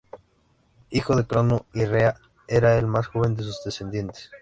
Hijo de Crono y Rea, era el más joven de sus descendientes.